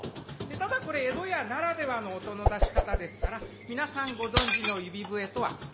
ただこれ江戸家ならではの音の出し方ですから皆さんご存じの指笛とはだいぶ形が違います。